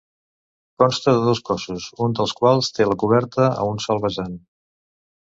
Consta de dos cossos, un dels quals té la coberta a un sol vessant.